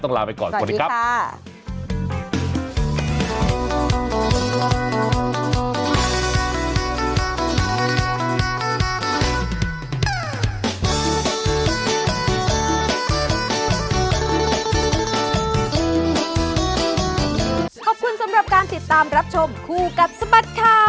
ต้องลาไปก่อนสวัสดีครับสวัสดีค่ะต้องลาไปก่อนสวัสดีค่ะ